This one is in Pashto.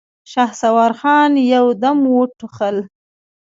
شهسوار خان يودم وټوخل.